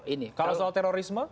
ini kalau soal terorisme